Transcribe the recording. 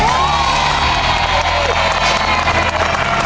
ถูก